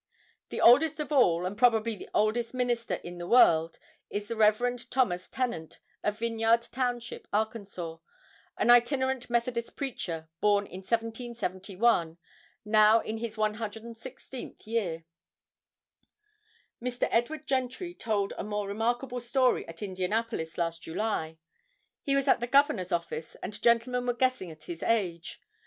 The oldest of all, and probably the oldest minister in the world, is Rev. Thos. Tenant, of Vineyard Township, Arkansas, an itinerant Methodist preacher, born in 1771, now in his 116th year. Mr. Edward Gentry told a more remarkable story at Indianapolis, last July. He was at the governor's office, and gentlemen were guessing at his age.